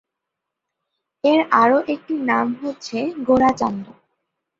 এর আরো একটি নাম হচ্ছে গোরাচান্দ।